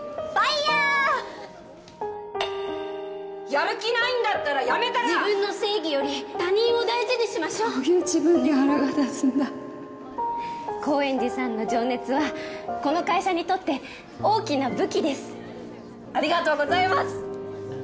やる気ないんだったら辞め自分の正義より他人を大事にしましょうそういう自分に腹が立つん高円寺さんの情熱はこの会社にとって大きな武器ですありがとうございます！